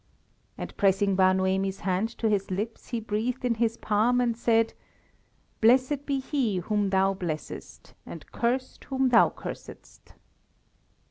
And pressing Bar Noemi's hand to his lips, he breathed in his palm, and said: "Blessed be he whom thou blessest and cursed whom thou cursedst!"